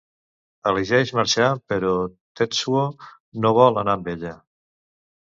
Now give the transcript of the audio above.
Elegeix marxar, però Tetsuo no vol anar amb ella.